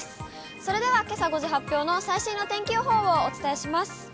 それではけさ５時発表の最新の天気予報をお伝えします。